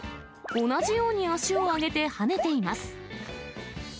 同じように足を上げて跳ねています。